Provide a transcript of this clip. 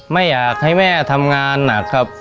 ไม่อยากให้แม่ทำงานหนักครับ